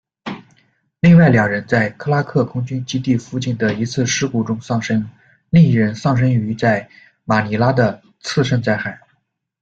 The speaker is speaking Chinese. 另外两人在克拉克空军基地附近的一次事故中丧生，另一人丧生于在马尼拉的次生灾害。